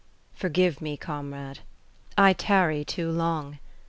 Forgive me comrade ; I tarry too long.